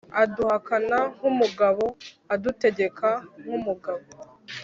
Aduhaka nk’umugabo: adutegeka nk’umugabo.